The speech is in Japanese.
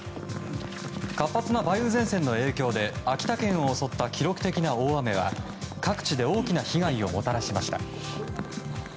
活発な梅雨前線の影響で秋田県を襲った記録的な大雨は各地で大きな被害をもたらしました。